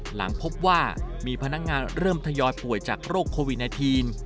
หลังพบว่ามีพนักงานเริ่มทยอยป่วยจากโรคโควิด๑๙